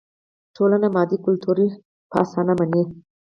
ټولنه مادي کلتور په اسانۍ مني.